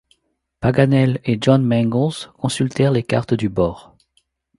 Paganel et John Mangles consultèrent les cartes du bord.